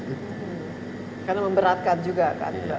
karena memberatkan juga kan mbak